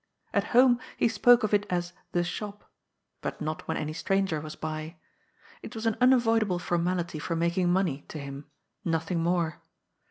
At home he spoke of it as " the shop," but not when any stranger was by. It was an unavoidable formality for making money to him, nothing more.